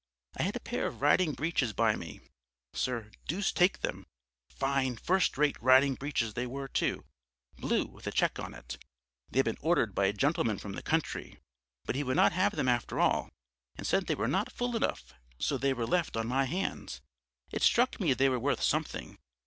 "I had a pair of riding breeches by me, sir, deuce take them, fine, first rate riding breeches they were too, blue with a check on it. They'd been ordered by a gentleman from the country, but he would not have them after all; said they were not full enough, so they were left on my hands. It struck me they were worth something.